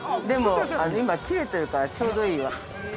でも今、切れているからちょうどいいわ。